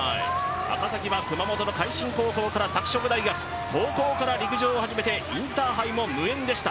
赤崎は熊本の開新高校から拓殖大学、高校から陸上を始めてインターハイも無縁でした。